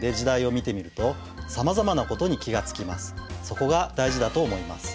そこが大事だと思います。